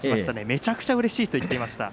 めちゃくちゃうれしいと言っていました。